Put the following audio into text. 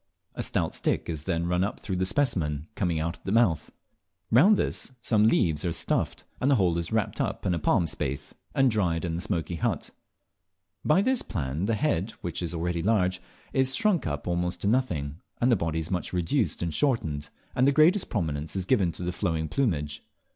A stout stick is then run up through the specimen coming out at the mouth. Round this some leaves are stuffed, and the whole is wrapped up in a palm spathe and dried in the smoky hut. By this plan the head, which is really large, is shrunk up almost to nothing, the body is much reduced and shortened, and the greatest prominence is given to the flowing plumage.